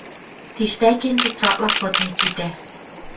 Тиштӓкенжӹ цакла пыт Микитӓ;